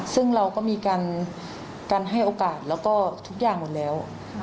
ซึ่งเราก็มีการให้โอกาสแล้วก็ทุกอย่างหมดแล้ว